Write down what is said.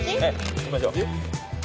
行きましょう。